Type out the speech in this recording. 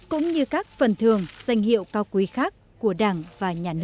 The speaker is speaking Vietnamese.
cũng như các phần thường danh hiệu cao quý khác của đảng và nhà nước